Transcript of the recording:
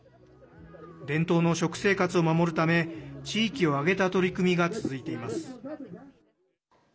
伝統の食生活を守るため地域を挙げた取り組みが続いています。